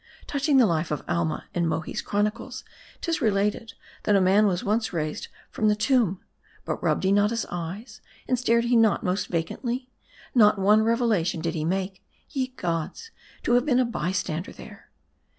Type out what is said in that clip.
Touching the life of Alma, in Mohi's chronicles, 'tis related, that a man was once raised from the tomb. But rubbed he not his eyes, and stared he not most vacantly ? Not one revelation did he make. Ye gods ! to have been a bystander there